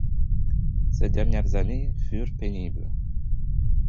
Ses dernières années furent pénibles.